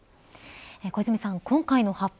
小泉さん、今回の発表